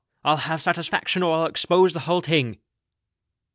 I'll have satesfaction, or I'll expose the whole ting."